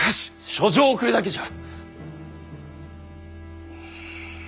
書状を送るだけじゃ！